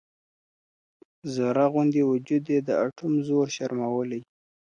ذره غوندي وجود یې د اټوم زور شرمولی.